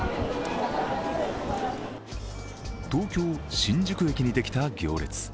東京・新宿駅にできた行列。